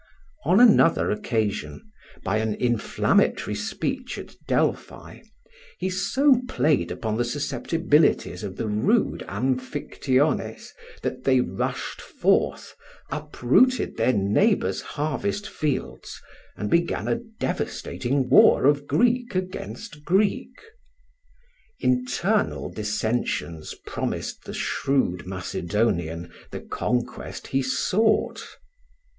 On another occasion, by an inflammatory speech at Delphi, he so played upon the susceptibilities of the rude Amphictyones that they rushed forth, uprooted their neighbors' harvest fields, and began a devastating war of Greek against Greek. Internal dissensions promised the shrewd Macedonian the conquest he sought.